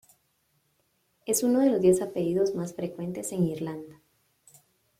Es uno de los diez apellidos más frecuentes en Irlanda.